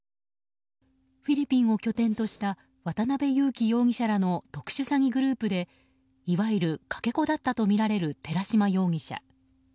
フィリピンを拠点とした渡辺優樹容疑者らの特殊詐欺グループでいわゆるかけ子だったとみられる寺島容疑者。